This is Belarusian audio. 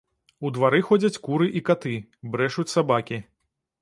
У двары ходзяць куры і каты, брэшуць сабакі.